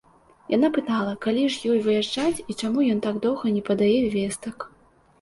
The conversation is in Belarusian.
Яна пытала, калі ж ёй выязджаць і чаму ён так доўга не падае вестак.